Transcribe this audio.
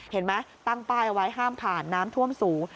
เห็นไหมตั้งป้ายเอาไว้ห้ามผ่านน้ำท่วมสูง